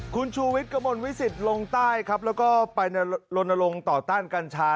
คุณชูวิทย์กระมวลวิสิตลงใต้ครับแล้วก็ไปลนลงต่อต้านกัญชา